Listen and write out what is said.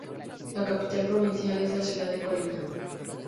La capital provincial es la ciudad de Colina.